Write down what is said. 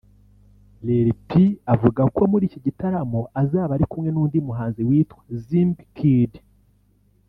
Lil P avuga ko muri iki gitaramo azaba ari kumwe n’undi muhanzi witwa Zimb Kid